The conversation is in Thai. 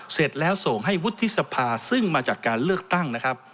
เสร็จแล้วส่งให้วุฒิสภาซึ่งมาจากการเลือกตั้งนะครับ